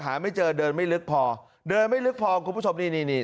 ไม่เจอเดินไม่ลึกพอเดินไม่ลึกพอคุณผู้ชมนี่นี่